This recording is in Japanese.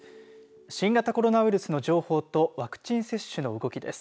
新型コロナウイルスの情報とワクチン接種の動きです。